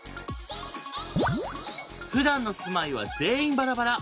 ふだんの住まいは全員バラバラ。